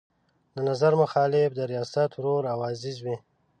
د نظر مخالف د ریاست ورور او عزیز وي.